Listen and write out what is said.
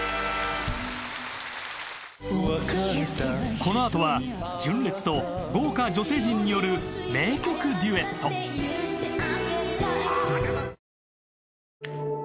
このあとは純烈と豪華女性陣による名曲デュエットさあ